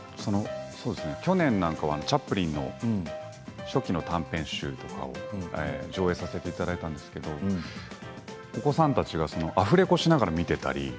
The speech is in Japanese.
去年なんかはチャップリンの初期の短編集とかを上映させていただいたんですけどお子さんたちがアフレコしながら見ていたり。